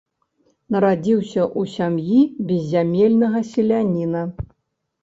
Нарадзіўся ў сям'і беззямельнага селяніна.